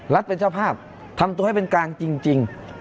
เป็นเจ้าภาพทำตัวให้เป็นกลางจริง